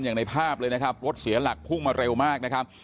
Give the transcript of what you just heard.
อย่างในภาพเลยนะครับรถเสียหลักพุ่งมาเร็วมากนะครับ